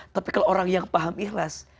tapi kalau orang yang paham ikhlas